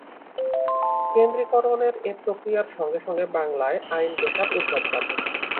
কেন্দ্রীকরণের এ প্রক্রিয়ার সঙ্গে সঙ্গে বাংলায় আইন পেশার উদ্ভব ঘটে।